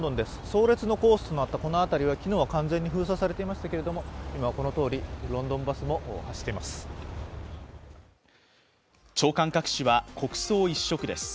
葬列のコースのあったこの辺りは昨日は完全に封鎖されていましたけれども、今はこのとおり、ロンドンバスも走っています。